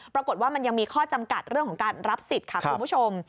ปรากฏว่ามันยังมีข้อจำกัดเรื่องของการรับสิทธิ์ค่ะคุณผู้ชม